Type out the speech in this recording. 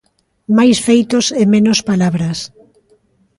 Máis feitos e menos palabras.